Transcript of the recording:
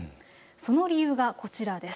その理由がこちらです。